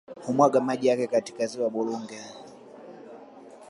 Humwaga maji yake katika ziwa Burunge